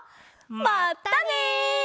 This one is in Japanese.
まったね！